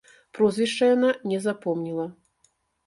Прозвішча яна не запомніла.